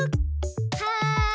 はい！